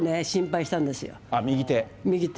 右手？